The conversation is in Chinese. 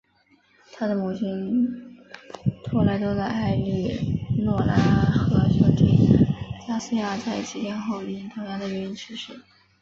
他的母亲托莱多的埃利诺拉和兄弟加齐亚在几天后因同样的原因去世。